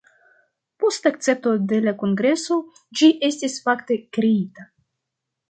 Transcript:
Post akcepto de la Kongreso ĝi estis fakte kreita.